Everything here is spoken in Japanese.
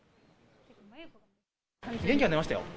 元気出ましたよ。